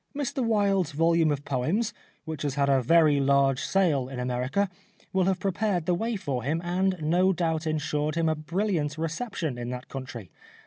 Mr Wilde's volume of poems, which has had a very large sale in America, will have prepared the way for him and no doubt insured him a brilliant reception in that country.